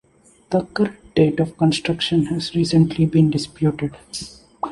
The correct date of construction has recently been disputed.